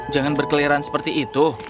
jangan berkeliran seperti itu